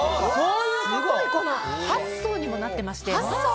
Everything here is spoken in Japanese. すごい８層にもなっていまして。